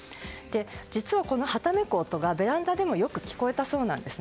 実は、はためく音がベランダでもよく聞こえたそうなんですね。